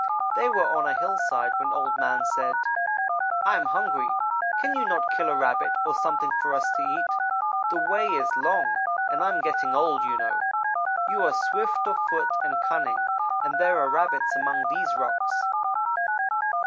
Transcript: They were on a hillside when Old Man said: 'I am hungry. Can you not kill a Rabbit or something for us to eat? The way is long, and I am getting old, you know. You are swift of foot and cunning, and there are Rabbits among these rocks.'